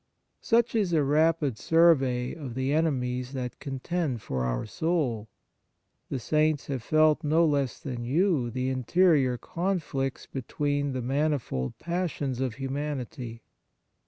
Such is a rapid survey of the enemies that contend for our soul. 7* The Nature of Piety The Saints have felt no less than you the interior conflicts between the manifold passions of humanity.